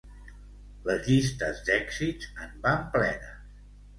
Les llistes d'èxits en van plenes.